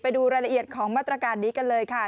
ไปดูรายละเอียดของมาตรการนี้กันเลยค่ะ